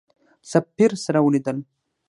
سفیر سره ولیدل.